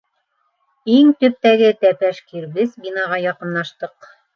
Иң төптәге тәпәш кирбес бинаға яҡынлаштыҡ.